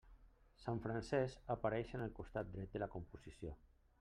Sant Francesc apareix en el costat dret de la composició.